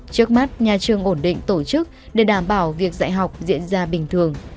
trước mắt nhà trường ổn định tổ chức để đảm bảo việc dạy học diễn ra bình thường